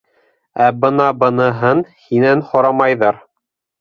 Ә бына быныһын... һинән һорамайҙар.